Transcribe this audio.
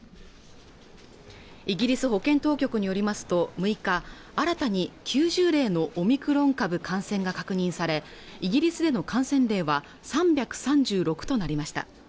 イギリス保健当局によりますと６日新たに９０例のオミクロン株感染が確認されイギリスでの感染例は３３６となりました